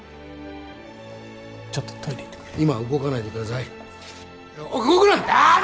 ちょっとトイレ行ってくる今は動かないでください動くな！